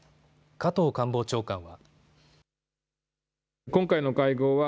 加藤官房長官は。